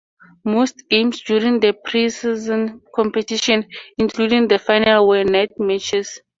Most games during the pre-season competition, including the final, were night matches.